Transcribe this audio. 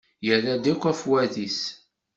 Yerra-d akk afwad-is.